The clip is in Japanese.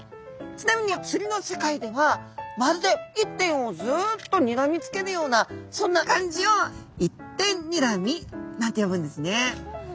ちなみに釣りの世界ではまるで一点をずっとにらみつけるようなそんな感じを「一点にらみ」なんて呼ぶんですね。